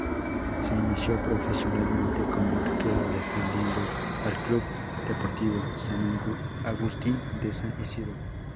Se inició profesionalmente como arquero defendiendo al Club Deportivo San Agustín de San Isidro.